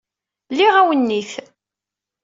Liɣ awennit.